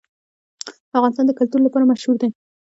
افغانستان د کلتور لپاره مشهور دی.